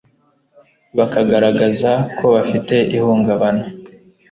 bakagaragaza ko bafite ihungabana